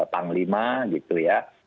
panglima gitu ya